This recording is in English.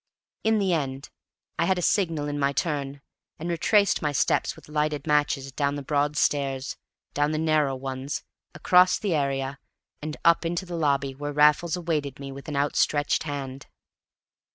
In the end I had a signal in my turn, and retraced my steps with lighted matches, down the broad stairs, down the narrow ones, across the area, and up into the lobby where Raffles awaited me with an outstretched hand.